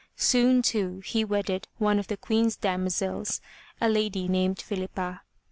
Soon, too, he wedded one of the Queen's demoiselles, a lady named Philippa.